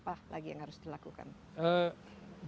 apa lagi yang harus dilakukan